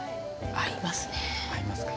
合いますか？